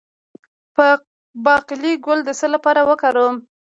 د باقلي ګل د څه لپاره وکاروم؟